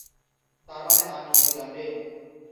তারমানে aunt May জানবে?